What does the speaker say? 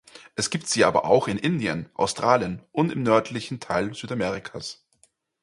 Es gibt sie aber auch in Indien, Australien und im nördlichen Teil Südamerikas.